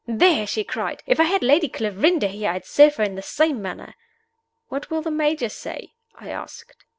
"There!" she cried. "If I had Lady Clarinda here I'd serve her in the same way." "What will the Major say?" I asked.